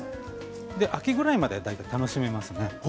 秋ぐらいまで大体楽しめますね。